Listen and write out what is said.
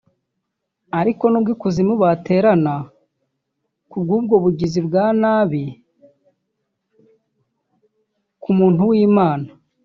Ariko nubwo ikuzimu baterana kubw’ubwo bugizi bwa nabi ku muntu w’Imana